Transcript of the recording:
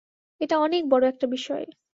এটা অনেক বড়ো একটা বিষয়।